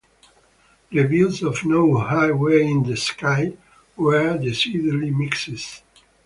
Reviews of "No Highway in the Sky" were decidedly mixed.